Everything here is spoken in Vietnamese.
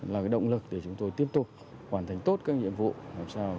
là động lực để chúng tôi tiếp tục hoàn thành tốt các nhiệm vụ làm sao đảm bảo tốt cái tình hình an ninh sự